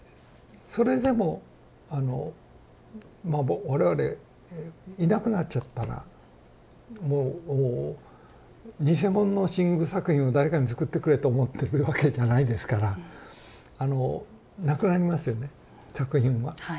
それでも我々いなくなっちゃったらもう偽物の新宮作品を誰かにつくってくれと思ってるわけじゃないですからあのなくなりますよね作品は多分。